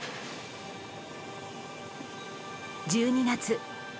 １２月。